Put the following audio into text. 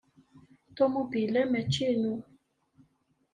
Ṭumubil-a mačči inu.